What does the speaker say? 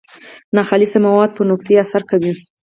ناخالص مواد پر نقطې اثر کوي.